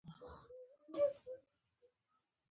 دا ځکه چې دوی خپل خصوصیات له مور او پلار څخه اخلي